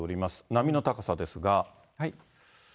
波の高さですが。